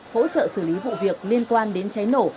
hỗ trợ xử lý vụ việc liên quan đến cháy nổ